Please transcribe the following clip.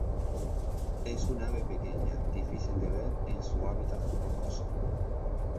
Es un ave pequeña difícil de ver en su hábitat rocoso.